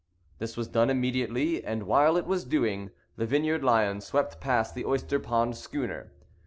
This was done immediately; and while it was doing, the Vineyard Lion swept past the Oyster Pond schooner.